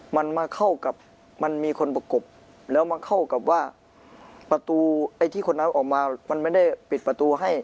มันมาเข้ากับมันมีคนประกบแล้วมันเข้ากับว่าประตูไอ้ที่คนนั้นออกมามันไม่ได้ปิดประตูให้